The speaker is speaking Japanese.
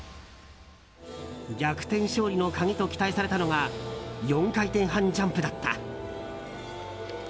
逆転勝利の鍵と期待されたのが４回転半ジャンプだった。